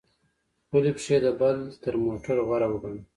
خپلي پښې د بل تر موټر غوره وګڼه!